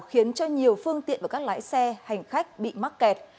khiến cho nhiều phương tiện và các lái xe hành khách bị mắc kẹt